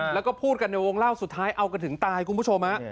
แล้วก็พูดกันในวงเล่าสุดท้ายเอากันถึงตายคุณผู้ชมฮะ